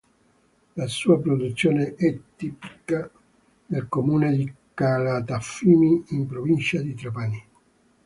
La sua produzione è tipica del comune di Calatafimi in provincia di Trapani.